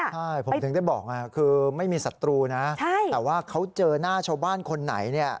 ใช่ผมถึงได้บอกคือไม่มีศัตรูนะแต่ว่าเขาเจอหน้าชาวบ้านคนไหนเนี่ย